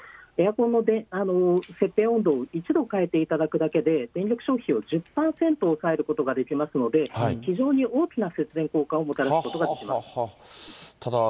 エアコンの設定温度を１度変えていただくだけで、電力消費を１０％抑えることができますので、非常に大きな節電効果をもたらすことができます。